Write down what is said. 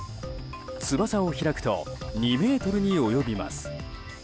翼を開くと２ｍに及びます。